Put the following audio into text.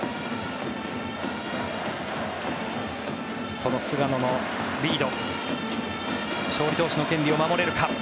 その菅野のリード勝利投手の権利を守れるか。